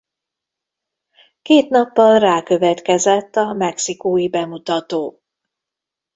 Két nappal rá következett a mexikói bemutató.